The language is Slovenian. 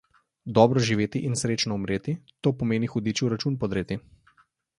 Dobro živeti in srečno umreti – to pomeni hudiču račun podreti.